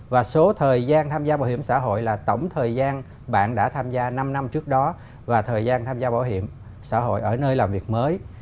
và số thời gian tham gia bảo hiểm xã hội là tổng thời gian bạn đã tham gia năm năm trước đó và thời gian tham gia bảo hiểm xã hội ở nơi làm việc mới